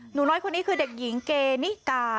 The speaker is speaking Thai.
หนูน้อยคนนี้คือเด็กหญิงเกณิกา